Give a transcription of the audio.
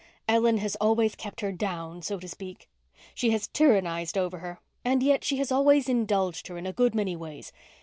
"Ellen has always kept her down, so to speak. She has tyrannized over her, and yet she has always indulged her in a good many ways.